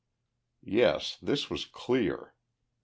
Yes, this was clear.